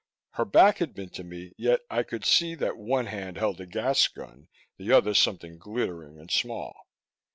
Her back had been to me, yet I could see that one hand held a gas gun, the other something glittering and small.